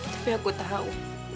tapi aku tahu